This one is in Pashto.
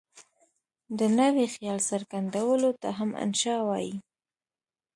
د نوي خیال څرګندولو ته هم انشأ وايي.